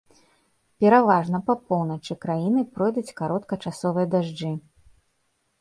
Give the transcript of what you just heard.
Пераважна па поўначы краіны пройдуць кароткачасовыя дажджы.